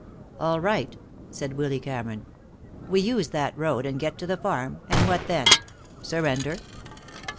"All right," said Willy Cameron. "We use that road, and get to the farm, and what then? Surrender?"